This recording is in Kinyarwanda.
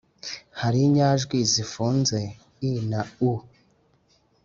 Hari inyajwi z’imfunge (i) na (u)